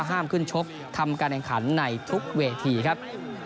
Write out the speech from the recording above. ห้ามขึ้นชกทำการแข่งขันในทุกเวทีครับ